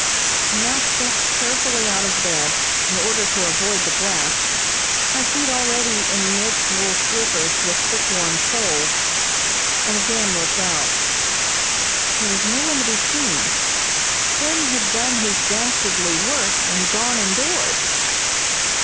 I now stepped carefully out of bed, in order to avoid the glass, my feet being already in knit, wool slippers, with thick, warm soles and again looked out. There was no one to be seen. Sim had done his dastardly work, and gone indoors.